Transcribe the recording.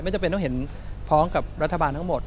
จำเป็นต้องเห็นพ้องกับรัฐบาลทั้งหมด